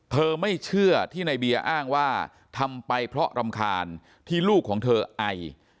ไม่เชื่อที่ในเบียร์อ้างว่าทำไปเพราะรำคาญที่ลูกของเธอไอ